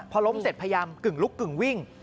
พอล้มเสร็จพยายามกึ่งลุกกึ่งวิ่ง